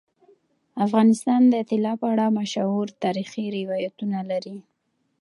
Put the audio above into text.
افغانستان د طلا په اړه مشهور تاریخی روایتونه لري.